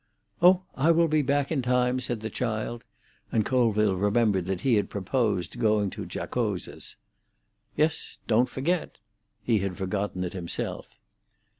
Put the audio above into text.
"Oh, I will be back in time," said the child, and Colville remembered that he had proposed going to Giacosa's. "Yes; don't forget." He had forgotten it himself.